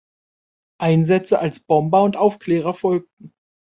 Einsätze als Bomber und Aufklärer folgten.